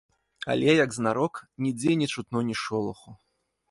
Але, як знарок, нідзе не чутно ні шолаху.